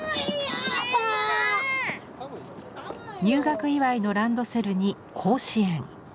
入学祝いのランドセルに甲子園。